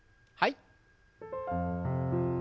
はい。